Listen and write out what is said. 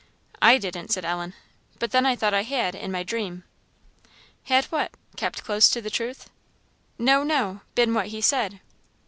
"I didn't," said Ellen. "But then I thought I had, in my dream." "Had what? kept close to the truth?" "No, no been what he said."